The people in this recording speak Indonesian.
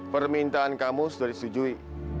permintaan kamu sudah disetujui